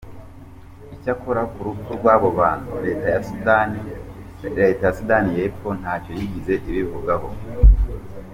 Icyakora ku rupfu rw’abo bantu, Leta ya Sudani y’Epfo ntacyo yigeze ibivugaho.